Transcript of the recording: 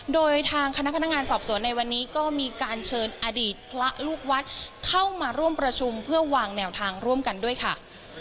โดยทางคณะพนักงานสอบสวนในวันนี้ก็มีการเชิญอดีตพระลูกวัดเข้ามาร่วมประชุมเพื่อวางแนวทางร่วมกันด้วยค่ะ